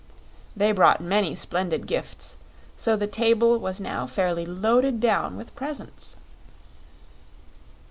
They brought many splendid gifts; so the table was now fairly loaded down with presents.